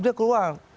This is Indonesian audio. dia keluar uang